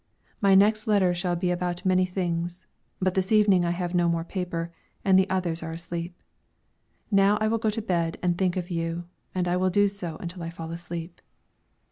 My next letter shall be about many things; but this evening I have no more paper, and the others are asleep. Now I will go to bed and think of you, and I will do so until I fall asleep.